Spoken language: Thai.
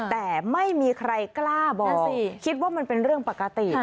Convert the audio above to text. แต่ไม่มีใครกล้าบอกสิคิดว่ามันเป็นเรื่องปกติ